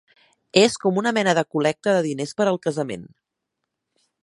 És com una mena de col·lecta de diners per al casament.